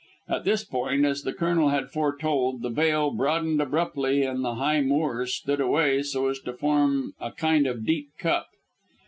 At this point, as the Colonel had foretold, the vale broadened abruptly, and the high moors stood away so as to form a kind of deep cup.